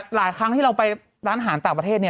หลายครั้งที่เราไปร้านอาหารต่างประเทศ